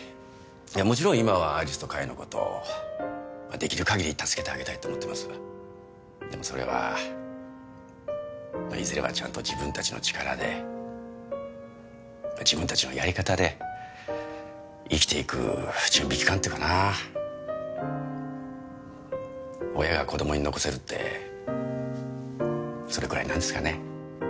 もちろん今は有栖と海のことをできるかぎり助けてあげたいと思ってますでもそれはまあいずれはちゃんと自分達の力で自分達のやり方で生きていく準備期間っていうかな親が子供に残せるってそれくらいなんですかね